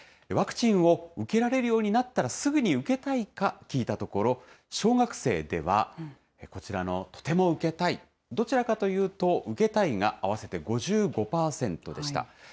ワクチンを受けられるようになったらすぐに受けたいか聞いたところ、小学生では、こちらのとても受けたい、どちらかというと受けたいが合わせて５５％でした。